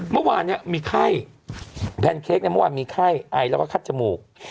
เมื่อวานเนี่ยมีไข้แพนเค้กเนี่ยเมื่อวานมีไข้ไอแล้วก็คัดจมูก